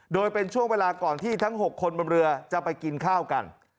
โดยเป็นช่วงเวลาก่อนที่ทั้ง๖คนบนเรือจะไปกินข้าวกัน